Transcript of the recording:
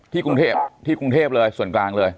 กรุงเทพที่กรุงเทพเลยส่วนกลางเลย